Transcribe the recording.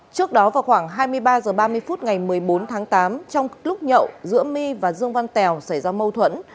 trước đó vào khoảng hai mươi ba h ba mươi phút ngày một mươi bốn tháng tám trong lúc nhậu giữa my và dương văn tèo xảy ra mâu thuẫn